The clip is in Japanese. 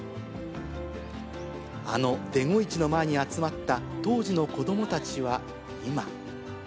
あのデゴイチの前に集まった当時の子どもたちは、今。